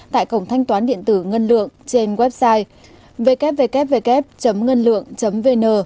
tại cổng thanh toán điện tử ngân lượng trên website www ngânlượng vn